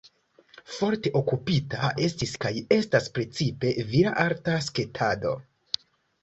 Forte okupita estis kaj estas precipe vira arta sketado.